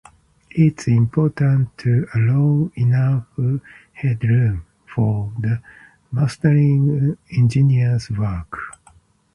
It is important to allow enough headroom for the mastering engineer's work.